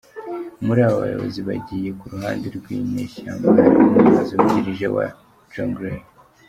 Muri abo bayobozi bagiye ku ruhande rw’inyeshyamba harimo Umuyobozi wungirije wa Jonglei.